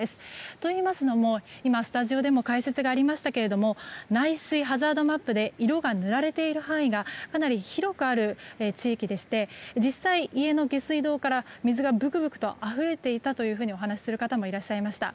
といいますのも、今スタジオでも解説がありましたけれども内水ハザードマップで色が塗られている範囲がかなり広くある地域でして実際、家の下水道から水がブクブクとあふれていたというふうにお話しする方もいらっしゃいました。